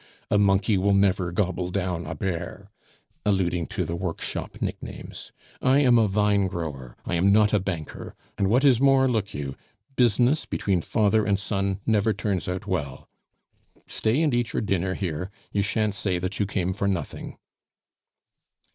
A monkey will never gobble down a bear" (alluding to the workshop nicknames); "I am a vinegrower, I am not a banker. And what is more, look you, business between father and son never turns out well. Stay and eat your dinner here; you shan't say that you came for nothing."